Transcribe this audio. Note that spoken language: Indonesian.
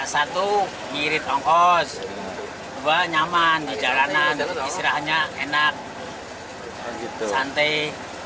satu ngirit ongkos dua nyaman di jalanan istirahatnya enak santai